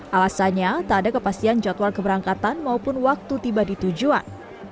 alasannya tak ada kepastian jadwal keberangkatan maupun waktu tiba di tujuan